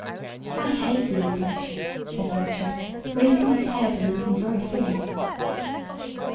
"I hate the English," said Richard, raising his head and looking very fierce.